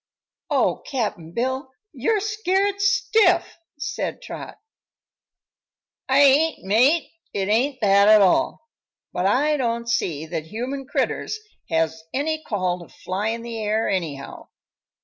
"Oh, Cap'n Bill! You're scared stiff," said Trot. "I ain't, mate; it ain't that at all. But I don't see that human critters has any call to fly in the air, anyhow.